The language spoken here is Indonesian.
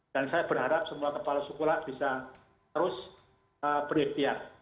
dan saya berharap semua kepala sekolah bisa terus berikhtiar